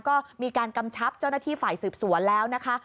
ก็มีการกำชับเจ้าหน้าที่ฝ่ายสืบสวนแล้วนะคะ